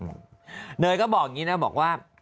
เนยก็บอกอย่างนี้นะบอกว่า